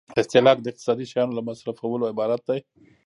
استهلاک د اقتصادي شیانو له مصرفولو عبارت دی.